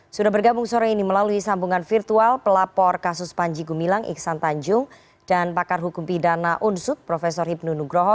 sudah bergabung sore ini melalui sambungan virtual pelapor kasus panji gumilang iksan tanjung dan pakar hukum pidana unsut prof hipnu nugroho